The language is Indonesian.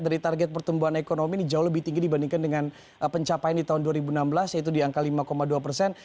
jadi target pertumbuhan ekonomi ini jauh lebih tinggi dibandingkan dengan pencapaian di tahun dua ribu enam belas yaitu di angka lima dua persen